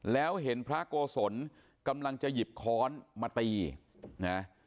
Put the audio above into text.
แล้วเห็นพระโกศลกำลังจะหยิบค้อนมาตีนะ